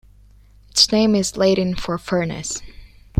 Its name is Latin for furnace.